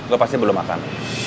lo pasti belum makan